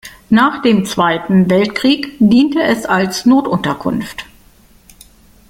Nach dem Zweiten Weltkrieg diente es als Notunterkunft.